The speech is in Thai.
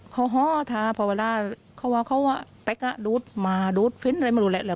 เขาฮอธภาวราเขาว่าเขาอาปัสนี่ดูดฟิ้นมาไม่รู้แล้ว